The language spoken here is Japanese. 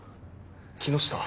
木下？